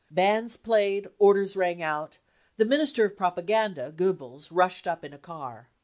Bands played, orders rang out, the Minister of Propaganda, Goebbels, rushed up in a car.